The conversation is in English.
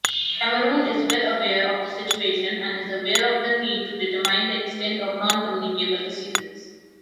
Cameroon is well aware of the situation and is aware of the need to determine the extent of non-communicable diseases.